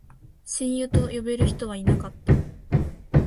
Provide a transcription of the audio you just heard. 親友と呼べる人はいなかった